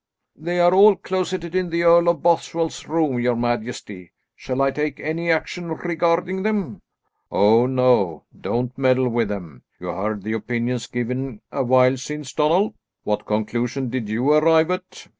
"They are all closeted in the Earl of Bothwell's room, your majesty. Shall I take any action regarding them?" "Oh no; do not meddle with them. You heard the opinions given a while since, Donald? What conclusion did you arrive at?"